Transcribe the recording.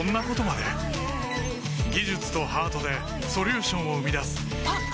技術とハートでソリューションを生み出すあっ！